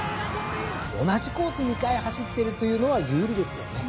同じコース２回走っているというのは有利ですよね。